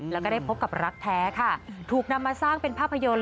แล้วก็ได้พบกับรักแท้ค่ะถูกนำมาสร้างเป็นภาพยนตร์